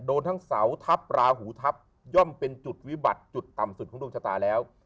โดนทั้งเสาทัพราหูทัพย่อมเป็นจุดวิบัติจุดต่ำสุดของดวงชะตาแล้ว